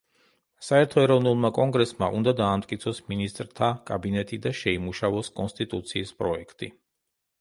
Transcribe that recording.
საერთო ეროვნულმა კონგრესმა უნდა დაამტკიცოს მინისტრთა კაბინეტი და შეიმუშაოს კონსტიტუციის პროექტი.